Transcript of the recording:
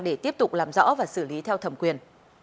để tiếp tục làm rõ và xử lý theo thẩm quyền